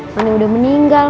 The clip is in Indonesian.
mana udah meninggal